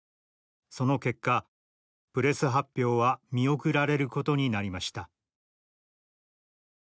その結果プレス発表は見送られることになりました」。